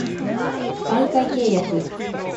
媒介契約